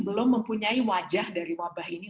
belum mempunyai wajah dari wabah ini